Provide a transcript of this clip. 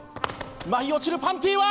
舞い落ちるパンティは。